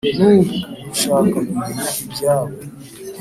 Nabo ubu nshaka kumenya ibyabo